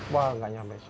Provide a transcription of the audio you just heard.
wah nggak nyampe sih